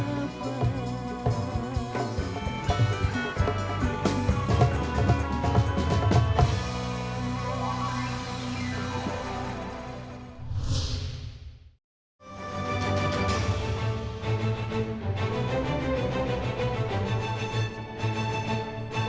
aku rejeng batur sepasur